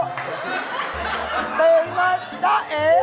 ตื่นมาเจ๊าเอง